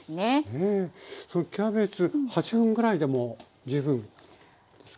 キャベツ８分ぐらいでも十分ですか？